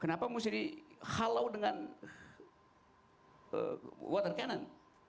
kenapa mesti dihalau dengan water cannon